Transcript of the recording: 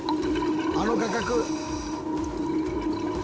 「あの画角！」